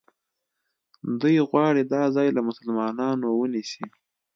دوی غواړي دا ځای له مسلمانانو ونیسي.